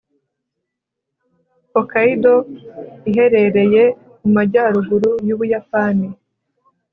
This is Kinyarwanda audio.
hokkaido iherereye mu majyaruguru yubuyapani